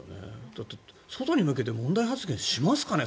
だって、外に向けて問題発言しますかね？